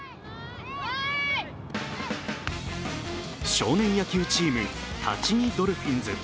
少年野球チーム、立二ドルフィンズ